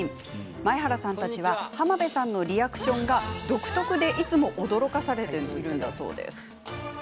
前原さんたちは浜辺さんのリアクションが独特でいつも驚かされてばかり。